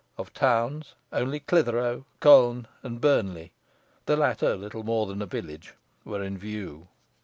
Of towns, only Clithero, Colne, and Burnley the latter little more than a village were in view.